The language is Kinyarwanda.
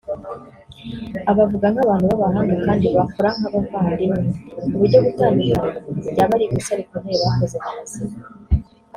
abavuga nk’abantu b’abahanga kandi bakora nk’abavandimwe kuburyo gutandukana byaba ari ikosa rikomeye bakoze mu buzima